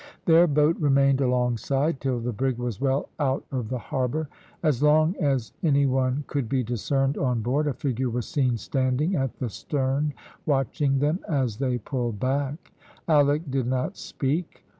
Their boat remained alongside till the brig was well out of the harbour. As long as any one could be discerned on board, a figure was seen standing at the stern watching them as they pulled back. Alick did not speak.